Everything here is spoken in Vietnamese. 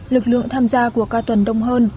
lực lượng tham gia của cao tuần đông hơn